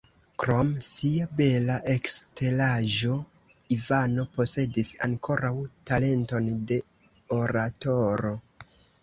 Krom sia bela eksteraĵo Ivano posedis ankoraŭ talenton de oratoro.